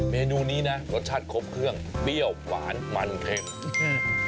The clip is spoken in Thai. เมนูนี้นะรสชาติครบเครื่องเบี้ยวหวานมันเผ็ดใช่ค่ะ